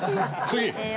次！